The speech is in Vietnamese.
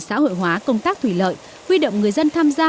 xã hội hóa công tác thủy lợi huy động người dân tham gia